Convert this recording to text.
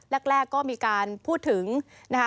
แรกก็มีการพูดถึงนะคะ